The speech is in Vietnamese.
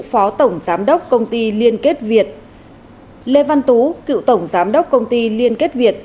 phó tổng giám đốc công ty liên kết việt lê văn tú cựu tổng giám đốc công ty liên kết việt